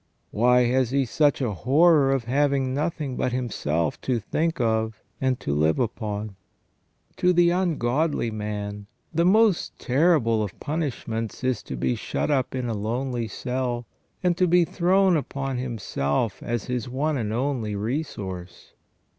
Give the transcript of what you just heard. Why has he such a horror of having nothing but himself to think of and to live upon ? To the ungodly man the most terrible of punishments is to be shut up in a lonely cell, and to be thrown upon himself as his one and only resource.